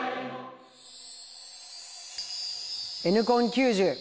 「Ｎコン９０」。